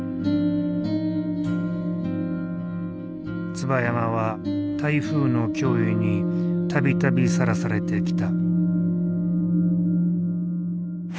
椿山は台風の脅威に度々さらされてきた。